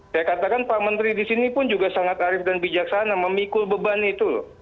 saya katakan pak menteri di sini pun juga sangat arif dan bijaksana memikul beban itu loh